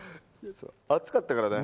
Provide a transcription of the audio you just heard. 暑かったからだよ。